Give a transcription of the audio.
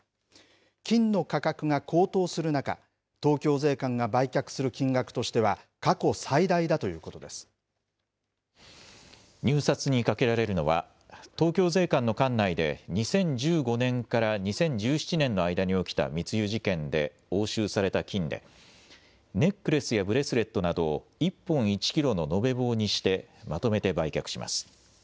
金の価格が高騰する中、東京税関が売却する金額としては、過去最入札にかけられるのは、東京税関の管内で、２０１５年から２０１７年の間に起きた密輸事件で押収された金で、ネックレスやブレスレットなどを１本１キロの延べ棒にして、まとめて売却します。